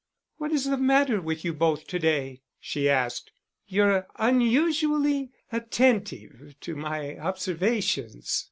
"What is the matter with you both to day?" she asked. "You're unusually attentive to my observations."